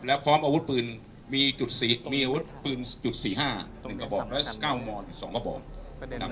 แล้วพร้อมอุดปืนมีมีอุดปืนจุด๔๕ตรงเดือน